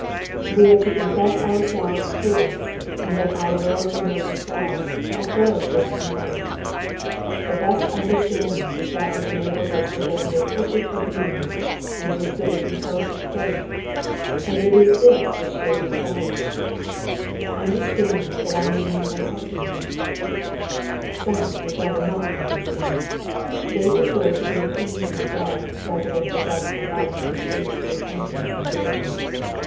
We are to confess ourselves fools, and then our Lord will make us wise, as well as give us knowledge. The best understanding is that which enables us to render perfect obedience and to exhibit intelligent faith, and it is this which Davia desires, —understanding, that I may know thy tes timonies/' Some would rather not know these thin^ ; they prefer to be at ease in the dark rather than possess the light which leads to repentance and diligence.